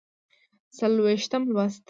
څلوېښتم لوست